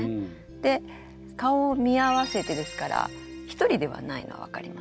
で顔を見合わせてですから１人ではないのは分かりますよね。